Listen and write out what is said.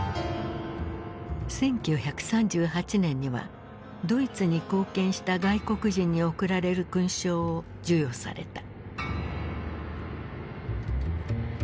１９３８年にはドイツに貢献した外国人に贈られる勲章を授与された。